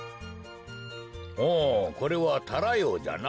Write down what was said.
おこれはタラヨウじゃな。